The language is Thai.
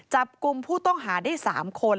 จับกลุ่มผู้ต้องหาได้๓คน